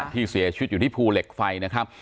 ที่เสียชีวิตอยู่ที่ภูเหล็กไฟนะครับ